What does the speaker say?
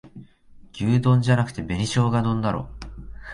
牛丼じゃなくて紅しょうが丼だろ